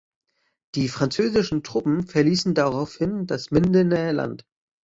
Die französischen Truppen verließen daraufhin das Mindener Land.